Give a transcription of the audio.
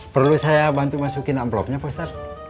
perlu saya bantu masukin amplopnya pak ustadz